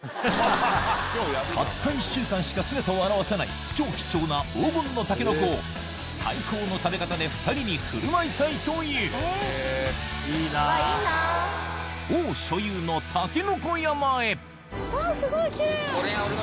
たった１週間しか姿を現さない超貴重な黄金のタケノコを最高の食べ方で２人に振る舞いたいという王所有のわぁすごいキレイ！